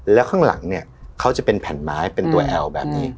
แล้วข้างหลังเนี่ยเขาจะเป็นแผ่นไม้เป็นตัวแอลแบบนี้